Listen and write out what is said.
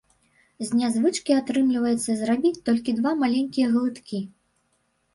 З нязвычкі атрымліваецца зрабіць толькі два маленькія глыткі.